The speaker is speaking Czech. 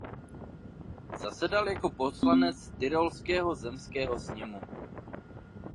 Zasedal jako poslanec Tyrolského zemského sněmu.